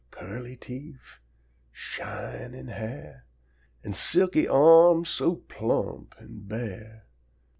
Pearly teef, an' shinin' hair, An' silky arm so plump an' bare!